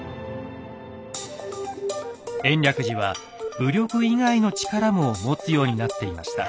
延暦寺は武力以外の力も持つようになっていました。